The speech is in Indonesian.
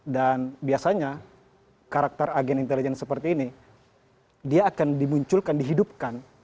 dan biasanya karakter agen intelijen seperti ini dia akan dimunculkan dihidupkan